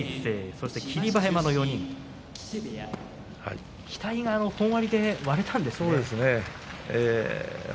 東龍、魁聖、霧馬山の４人期待が本割で割れたんですね。